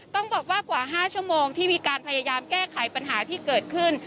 ต้องบอกว่ากว่า๕ชั่วโมงที่มีการพยายามแก้ไขปัญหาที่เกิดขึ้น